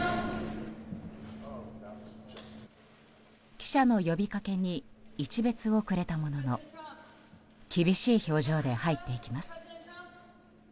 記者の呼びかけに一瞥をくれたものの厳しい表情で入っていきます。